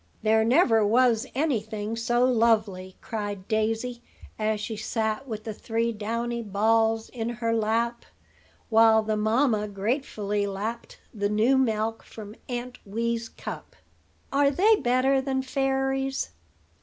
"There never was any thing so lovely!" cried Daisy, as she sat with the three downy balls in her lap, while the mamma gratefully lapped the new milk from Aunt Wee's cup. "Are they better than fairies?"